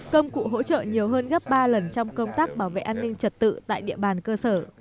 công cụ hỗ trợ nhiều hơn gấp ba lần trong công tác bảo vệ an ninh trật tự tại địa bàn cơ sở